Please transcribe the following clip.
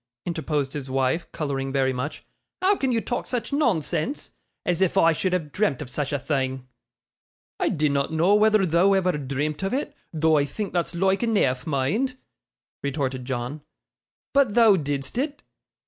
interposed his pretty wife, colouring very much. 'How can you talk such nonsense? As if I should have dreamt of such a thing!' 'I dinnot know whether thou'd ever dreamt of it, though I think that's loike eneaf, mind,' retorted John; 'but thou didst it.